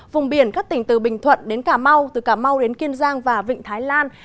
vùng biển các tỉnh từ bình thuận đến cà mau từ cà mau đến kiên giang và vịnh thái lan